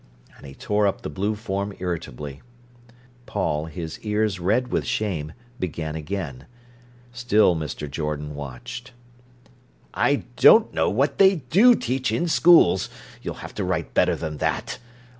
And he tore up the blue form irritably. Paul, his ears red with shame, began again. Still Mr. Jordan watched. "I don't know what they do teach in schools. You'll have to write better than that.